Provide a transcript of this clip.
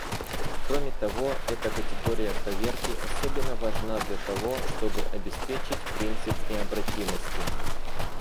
Кроме того, эта категория проверки особенно важна для того, чтобы обеспечить принцип необратимости.